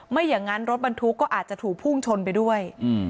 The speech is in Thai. ไม่อย่างนั้นรถบรรทุกก็อาจจะถูกพุ่งชนไปด้วย